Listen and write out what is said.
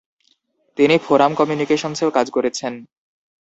তিনি ফোরাম কমিউনিকেশনসেও কাজ করেছেন।